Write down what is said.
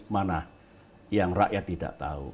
mana yang rakyat tidak tahu